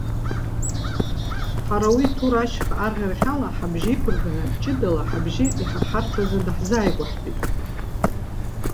Ҳара уи, Ҭур ашьха арӷьарахь ала ҳабжьы иқәырганы ҷыдала ҳабжьы иҳарҳарц азы даҳзааигәаҳтәит.